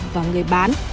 và người bán